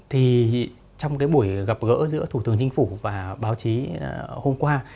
thì trong cái buổi gặp gỡ giữa thủ tướng chính phủ và báo chí hôm qua